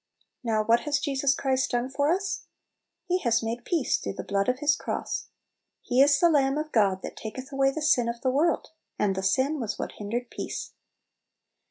Now what has Jesus Christ done for us? He has made peace through the blood of His cross. He is the Lamb of God that taketh away the sin of the world; and the sin was what hindered peace.